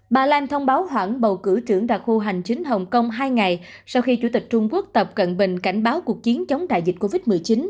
bà lan thông báo hoãn bầu cử trưởng đặc khu hành chính hồng kông hai ngày sau khi chủ tịch trung quốc tập cận bình cảnh báo cuộc chiến chống đại dịch covid một mươi chín